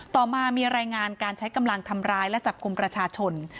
ต่อมามีรายงานการใช้กำลังทำร้ายและจับกลุ่มประชาชน